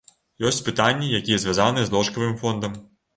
Ёсць пытанні, якія звязаныя з ложкавым фондам.